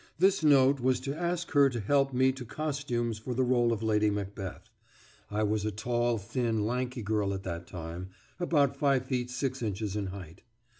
This note was to ask her to help me to costumes for the role of Lady Macbeth, I was a tall, thin, lanky girl at that time, about five feet six inches in height.